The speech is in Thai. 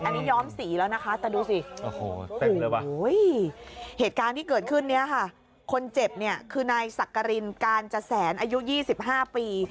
อันนี้ย้อมสีแล้วนะคะแต่ดูสิเหตุการณ์ที่เกิดขึ้นนี้ค่ะคนเจ็บเนี่ยคือนายสักกรินการจาแสนอายุ๒๕ปี